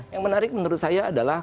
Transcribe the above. yang menarik menurut saya adalah